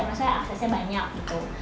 maksudnya aksesnya banyak gitu